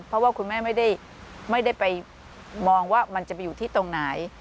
เพราะว่าคุณแม่ไม่ได้ไปมองว่ามันจะไปอยู่ที่ตรงไหน